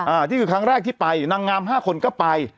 อันนี้คือครั้งแรกที่ไปนางงามห้าคนก็ไป